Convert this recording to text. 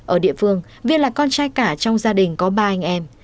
ở địa phương viên là con trai cả trong gia đình có ba anh em